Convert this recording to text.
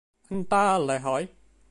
Anh ta lại hỏi